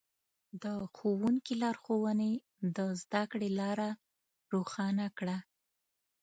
د ښوونکي لارښوونې د زده کړې لاره روښانه کړه.